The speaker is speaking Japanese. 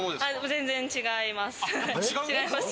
全然違います。